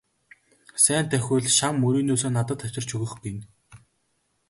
Сайн давхивал шан мөрийнөөсөө надад авчирч өгөх гэнэ.